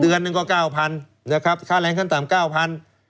เดือนหนึ่งก็๙๐๐นะครับค่าแรงขั้นต่ำ๙๐๐บาท